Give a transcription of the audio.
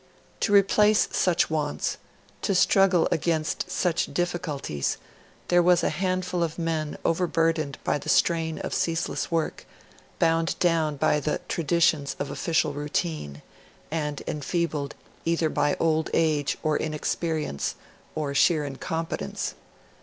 To replace such wants, to struggle against such difficulties, there was a handful of men overburdened by the strain of ceaseless work, bound down by the traditions of official routine, and enfeebled either by old age or inexperience or sheer incompetence.